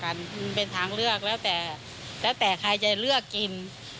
มันเป็นทางเลือกแล้วแต่แล้วแต่ใครจะเลือกกิน